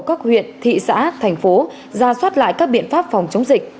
các huyện thị xã thành phố ra soát lại các biện pháp phòng chống dịch